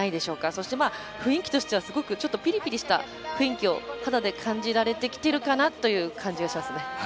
そして雰囲気としてはちょっとピリピリとした肌で感じられてきているかなという感じがしますね。